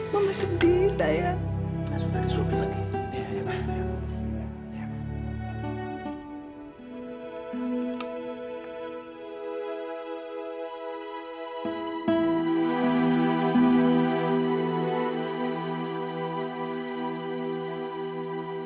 mama sedih sayang